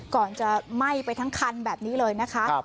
ก่อนจะไหม้ไปทั้งคันแบบนี้เลยนะคะ